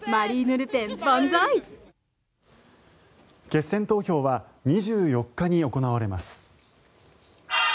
決選投票は２４日に行われます。